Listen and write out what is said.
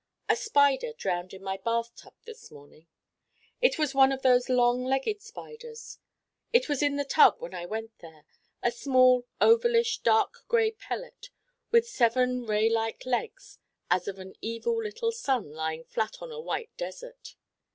A Spider drowned in my bath tub this morning. It was one of those long legged spiders. It was in the tub when I went there a small ovalish dark gray pellet with seven ray like legs as of an evil little sun lying flat on a white desert.